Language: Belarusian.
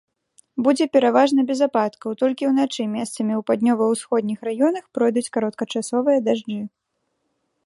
Будзе пераважна без ападкаў, толькі ўначы месцамі ў паўднёва-ўсходніх раёнах пройдуць кароткачасовыя дажджы.